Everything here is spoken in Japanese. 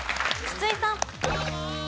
筒井さん。